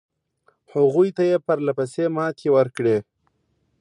هغوی ته یې پرله پسې ماتې ورکړې.